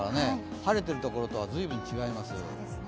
晴れてるところとは随分、違います。